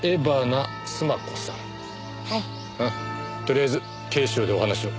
とりあえず警視庁でお話を。